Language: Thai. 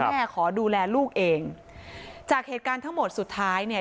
ขอดูแลลูกเองจากเหตุการณ์ทั้งหมดสุดท้ายเนี่ย